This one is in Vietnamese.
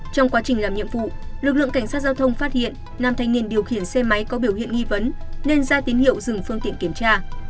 trong quá trình làm nhiệm vụ lực lượng cảnh sát giao thông phát hiện nam thanh niên điều khiển xe máy có biểu hiện nghi vấn nên ra tín hiệu dừng phương tiện kiểm tra